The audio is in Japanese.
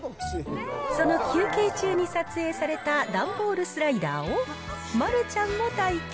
その休憩中に撮影された段ボールスライダーを、丸ちゃんも体験。